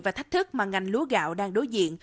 và thách thức mà ngành lúa gạo đang đối diện